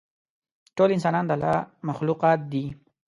ټول انسانان د الله مخلوقات دي.